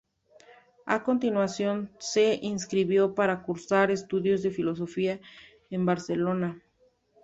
A continuación se inscribió para cursar estudios de filosofía en Barcelona.